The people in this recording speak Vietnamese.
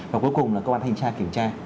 và cuối cùng là các bản thanh tra kiểm tra